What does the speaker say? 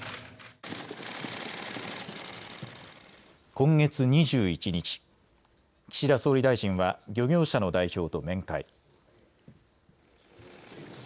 今月２１日岸田総理大臣は漁業者の代表と面会。